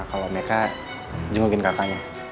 kalau mereka jengukin kakaknya